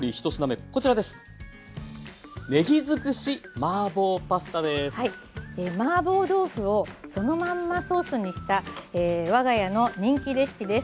マーボー豆腐をそのまんまソースにした我が家の人気レシピです。